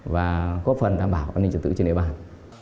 và góp phần đảm bảo an ninh trật tự trên đề bản